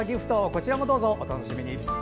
こちらもどうぞお楽しみに。